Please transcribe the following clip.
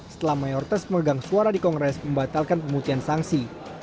setelah mayor tes megang suara di kongres membatalkan pemutian sanksi